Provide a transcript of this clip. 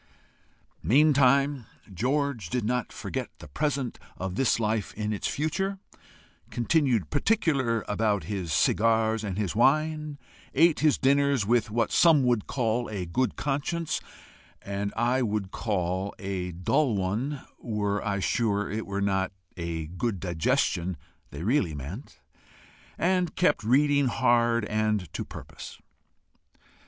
Meantime George did not forget the present of this life in its future, continued particular about his cigars and his wine, ate his dinners with what some would call a good conscience and I would call a dull one, were I sure it was not a good digestion they really meant, and kept reading hard and to purpose.